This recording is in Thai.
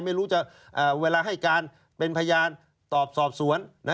ไม่รู้จะเวลาให้การเป็นพยานตอบสอบสวน